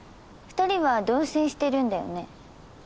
２人は同棲してるんだよね？